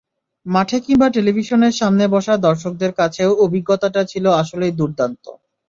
মাঠে কিংবা টেলিভিশনের সামনে বসা দর্শকদের কাছেও অভিজ্ঞতাটা ছিল আসলেই দুর্দান্ত।